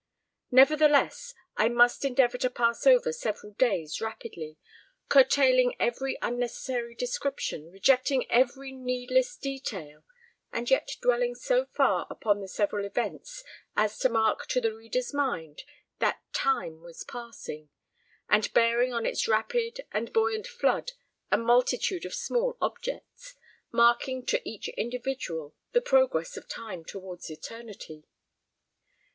Nevertheless, I must endeavour to pass over several days rapidly, curtailing every unnecessary description, rejecting every needless detail, and yet dwelling so far upon the several events as to mark to the reader's mind that time was passing, and bearing on its rapid and buoyant flood a multitude of small objects, marking to each individual the progress of time towards eternity.